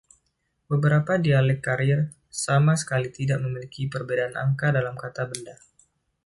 Beberapa dialek Carrier sama sekali tidak memiliki perbedaan angka dalam kata benda.